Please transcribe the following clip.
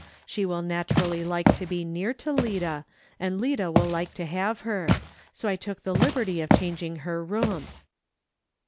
She will naturally like to be near to Lida, and Lida will like to have her ; so I took the liberty of changing her room."